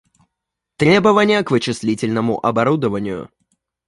Требования к вычислительному оборудованию